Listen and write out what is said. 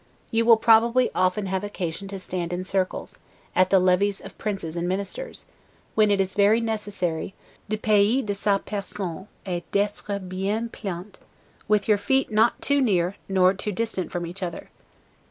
You will probably often have occasion to stand in circles, at the levees of princes and ministers, when it is very necessary 'de payer de sa personne, et d'etre bien plante', with your feet not too near nor too distant from each other.